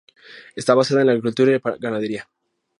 Está basada en la agricultura y ganadería.